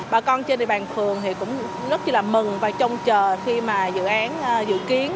bà con trên địa bàn phường thì cũng rất là mừng và trông chờ khi mà dự án dự kiến